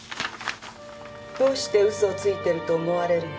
どうして嘘をついてると思われるんですか？